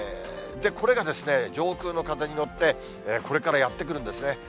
これがですね、上空の風に乗って、これからやって来るんですね。